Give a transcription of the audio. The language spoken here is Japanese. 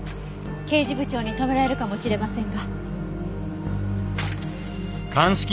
刑事部長に止められるかもしれませんが。